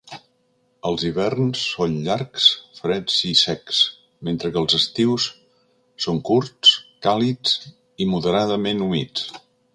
Els hiverns són llargs, freds i secs, mentre que els estius són curts, càlids i moderadament humits.